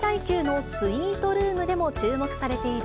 都内最大級のスイートルームでも注目されている